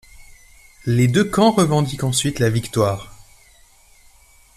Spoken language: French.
Les deux camps revendiquent ensuite la victoire.